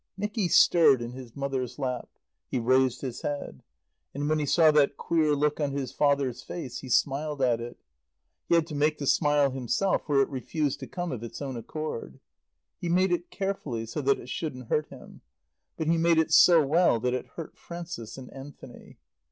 Nicky stirred in his mother's lap. He raised his head. And when he saw that queer look on his father's face he smiled at it. He had to make the smile himself, for it refused to come of its own accord. He made it carefully, so that it shouldn't hurt him. But he made it so well that it hurt Frances and Anthony.